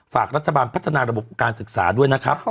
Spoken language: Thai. ฝากรัฐบาลพัฒนาระบบการศึกษาด้วยนะครับ